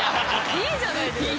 いいじゃないですか！